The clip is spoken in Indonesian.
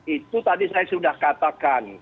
itu tadi saya sudah katakan